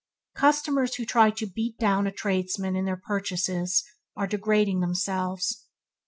Customers who try to "beat down" a tradesman in their purchases are degrading themselves.